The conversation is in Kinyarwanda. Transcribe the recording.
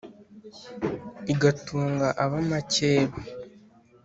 igatunga ab’amakeba,